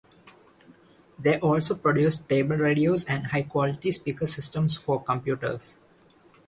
They also produced table radios and high quality speaker systems for computers.